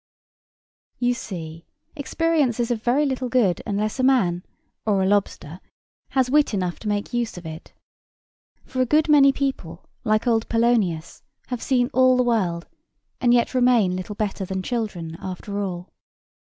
You see, experience is of very little good unless a man, or a lobster, has wit enough to make use of it. For a good many people, like old Polonius, have seen all the world, and yet remain little better than children after all.